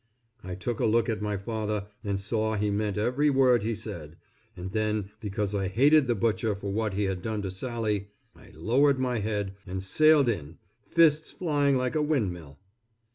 I took a good look at my father and saw he meant every word he said, and then because I hated the Butcher for what he had done to Sally, I lowered my head and sailed in, fists flying like a windmill.